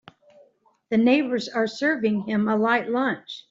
The neighbors are serving him a light lunch.